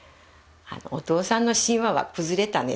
「お父さんの神話は崩れたね」